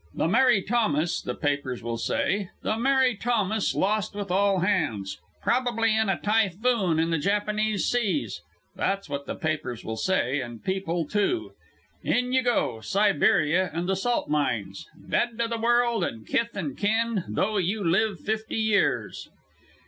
'The Mary Thomas,' the papers will say, 'the Mary Thomas lost with all hands. Probably in a typhoon in the Japanese seas.' That's what the papers will say, and people, too. In you go, Siberia and the salt mines. Dead to the world and kith and kin, though you live fifty years."